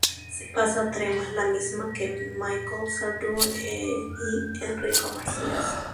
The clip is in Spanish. Se pasa a Trema, la misma que Michel Sardou y Enrico Macias.